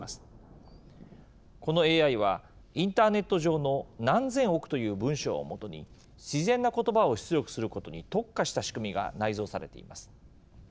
このＡＩはインターネット上の何千億という文章をもとに自然な言葉を出力することに特化した仕組みが内蔵されています。